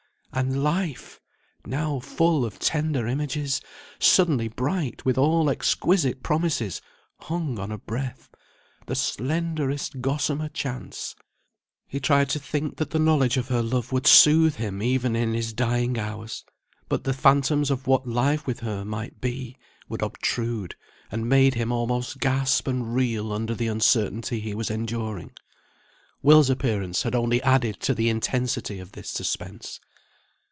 And Life, now full of tender images, suddenly bright with all exquisite promises, hung on a breath, the slenderest gossamer chance. He tried to think that the knowledge of her love would soothe him even in his dying hours; but the phantoms of what life with her might be, would obtrude, and made him almost gasp and reel under the uncertainty he was enduring. Will's appearance had only added to the intensity of this suspense.